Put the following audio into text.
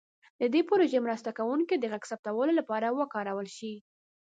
د دې پروژې مرسته کوونکي د غږ ثبتولو لپاره وکارول شي.